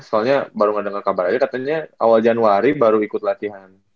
soalnya baru gak denger kabar aja katanya awal januari baru ikut latihan